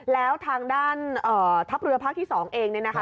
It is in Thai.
แล้วทางด้านทัพเรือภาคที่๒เองเนี่ยนะคะ